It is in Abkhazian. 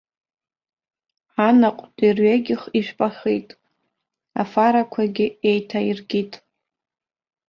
Анаҟә дырҩегьых ижәпахеит, афарақәагьы еиҭаиркит.